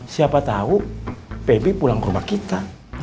siapa tahu pb pulang ke rumah kita